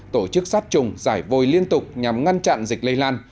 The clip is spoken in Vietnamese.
tổ chức sát trùng giải vôi liên tục nhằm ngăn chặn dịch lây lan